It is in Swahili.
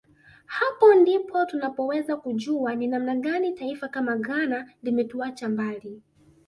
Hapo ndipo tunapoweza kujua ni namna gani taifa kama Ghana limetuacha mbali